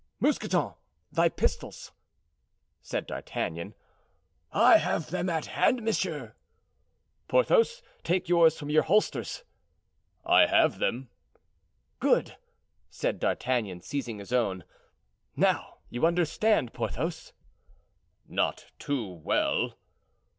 "Mousqueton, thy pistols," said D'Artagnan. "I have them at hand, monsieur." "Porthos, take yours from your holsters." "I have them." "Good!" said D'Artagnan, seizing his own; "now you understand, Porthos?" "Not too well."